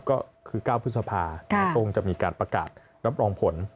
ก็คือ๙พฤษภาก็คงจะมีการประกาศรับรองผล